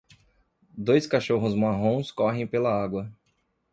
Dois cachorros marrons correm pela água.